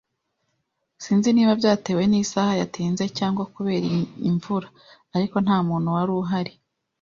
Sinzi niba byatewe nisaha yatinze cyangwa kubera imvura, ariko ntamuntu wari uhari.